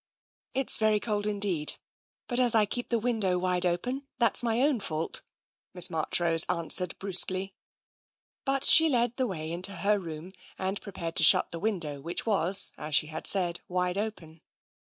" It is very cold indeed, but as I keep the window wide open, that's my own fault," Miss Marchrose an swered brusquely. But she led the way into her room and prepared to shut the window, which was, as she had said, wide open.